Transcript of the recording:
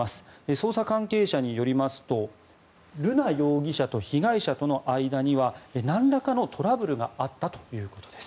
捜査関係者によりますと瑠奈容疑者と被害者との間にはなんらかのトラブルがあったということです。